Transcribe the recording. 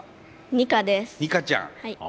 ニカちゃん。